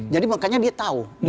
jadi makanya dia tahu